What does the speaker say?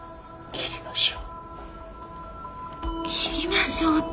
「切りましょう」って。